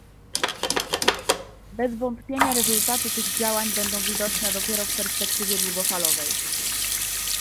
Bez wątpienia rezultaty tych działań będą widoczne dopiero w perspektywie długofalowej